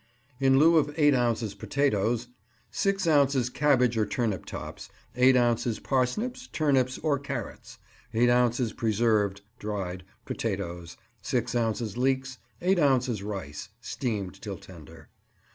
In lieu of eight ounces potatoes: Six ounces cabbage or turnip tops; eight ounces parsnips, turnips, or carrots; eight ounces preserved (dried) potatoes; six ounces leeks; eight ounces rice (steamed till tender).